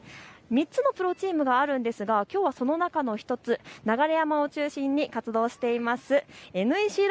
３つのプロチームがあるんですが、きょうはその中の１つ、流山を中心に活動しています